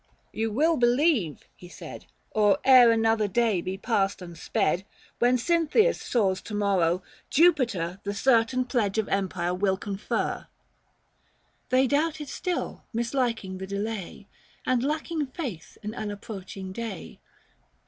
" You will believe," he " Or ere another day be passed and sped, When Cynthius soars to morrow, Jupiter The certain pledge of empire will confer." 380 They doubted still, misliking the delay ; And lacking faith in an approaching day.